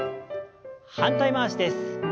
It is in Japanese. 反対回しです。